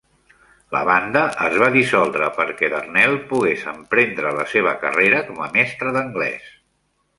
La banda es va dissoldre perquè Darnell pogués emprendre la seva carrera com a mestre d'anglès.